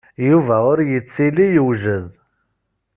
Yuba ur yettili yewjed.